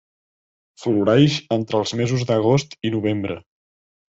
Floreix entre els mesos d'agost i novembre.